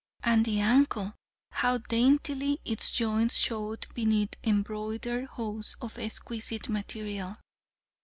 And the ankle! How daintily its joints showed beneath embroidered hose of exquisite material."